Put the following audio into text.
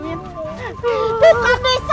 dia sampai sampai kesana